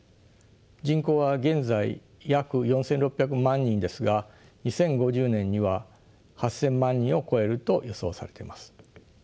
人口は現在約４，６００万人ですが２０５０年には８，０００万人を超えると予想されてます。